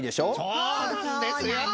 そうなんですよ。